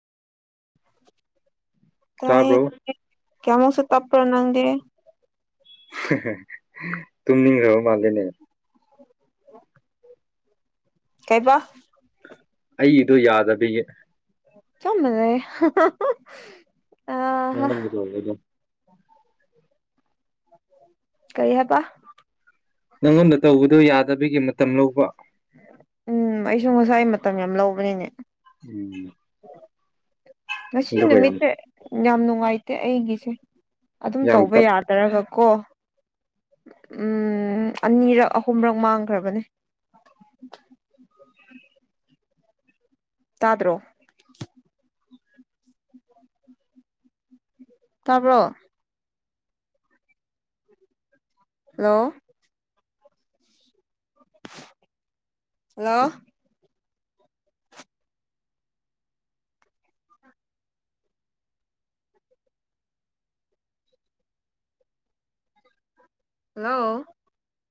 ꯀꯥ pro ꯀꯦꯃꯣꯁꯨ ꯇꯞꯔꯣ ꯅꯪꯗꯤꯦ ꯇꯨꯝ ꯅꯤꯡꯈ꯭ꯔꯕ ꯃꯥꯜꯂꯦꯅꯦ l. ꯀꯥꯏ ꯄ ꯑꯩꯗꯣ ꯌꯥꯗꯕꯤꯌꯦ ꯆꯃ ꯂꯩꯦ [unintelligible] ꯀꯔꯤ ꯍꯥꯏꯕ ꯅꯪꯉꯣꯟꯗ ꯇꯧꯕꯗꯣ ꯌꯥꯗꯕꯒꯤ ꯃꯇꯝ ꯂꯧꯕ ꯎꯝ ꯑꯩꯁꯨ ꯉꯁꯥꯏ ꯃꯇꯝ ꯌꯥꯝ ꯂꯧꯕꯅꯤꯅꯦ ꯎꯝ ꯉꯁꯤ ꯑꯗꯨꯒ ꯌꯥꯝ ꯅꯨꯃꯤꯠꯁꯦ ꯌꯥꯝ ꯅꯨꯡꯉꯥꯏꯇꯦ ꯑꯩꯒꯤꯁꯦ ꯑꯗꯨꯝ ꯌꯥꯝ ꯇꯞ ꯇꯧꯕ ꯌꯥꯗ꯭ꯔꯒ ꯀꯣ ꯎꯝ ꯑꯅꯤꯔꯛ ꯑꯍꯨꯝꯔꯛ ꯃꯥꯡꯈ꯭ꯔꯕꯅꯦ ꯑ [inaudible] ꯇꯥꯗ꯭ꯔꯣ ꯇꯕ꯭ꯔꯣ ꯍꯜꯂꯣ ꯍꯜꯂꯣ ꯍꯜꯂꯣ